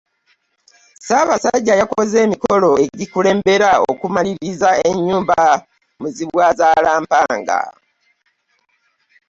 Ssaabasajja yakoze emikolo egikulembera okumaliriza ennyumba Muzibwazaalampanga.